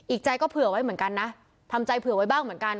อีกใจก็เผื่อไว้เหมือนกันนะทำใจเผื่อไว้บ้างเหมือนกัน